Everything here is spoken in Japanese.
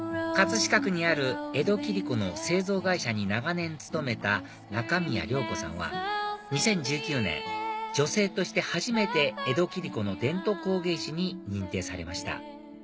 飾区にある江戸切子の製造会社に長年勤めた中宮涼子さんは２０１９年女性として初めて江戸切子の伝統工芸士に認定されました